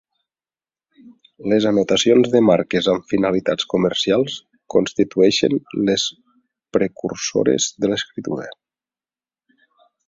Les anotacions de marques amb finalitats comercials constitueixen les precursores de l'escriptura.